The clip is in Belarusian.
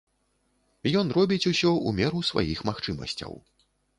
Ён робіць усё ў меру сваіх магчымасцяў.